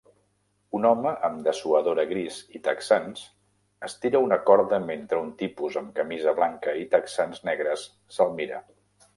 Un home amb dessuadora gris i texans estira una corda mentre un tipus amb camisa blanca i texans negres se'l mira